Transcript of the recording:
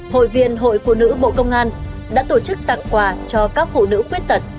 hội viên hội phụ nữ bộ công an đã tổ chức tặng quà cho các phụ nữ khuyết tật